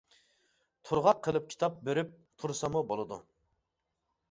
«تۇرغاق» قىلىپ كىتاب بېرىپ تۇرساممۇ بولىدۇ.